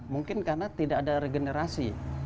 mungkin karena tidak ada regenerasi